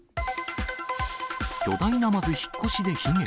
巨大ナマズ引っ越しで悲劇。